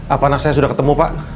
apa anak saya sudah ketemu pak